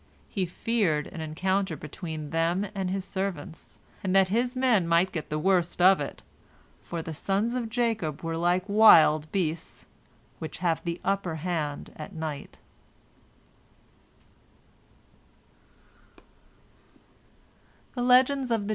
He feared an encounter between them and his servants, and that his men might get the worst of it, for the sons of Jacob were like the wild beasts, which have the upper hand at night.